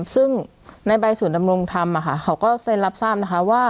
ซึ่งในใบส่วนดำรงธรรมอ่ะค่ะเขาก็เซ็นรับสร้างนะคะว่า